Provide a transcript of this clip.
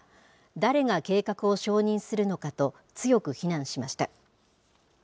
誰が計画を承認するのかと、強く非難しました。